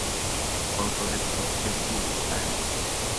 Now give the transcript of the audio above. All political activity was banned.